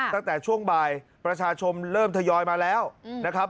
ตั้งแต่ช่วงบ่ายประชาชนเริ่มทยอยมาแล้วนะครับ